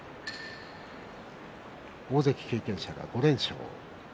大関経験者は５連勝。